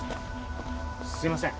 すいません。